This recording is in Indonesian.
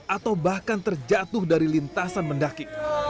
atau bahkan terjatuh dari lintasan mendaki